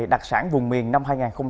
đặc sản vùng miền năm hai nghìn hai mươi